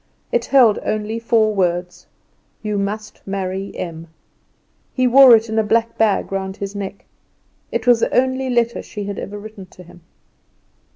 It held only four words: "You must marry Em." He wore it in a black bag round his neck. It was the only letter she had ever written to him.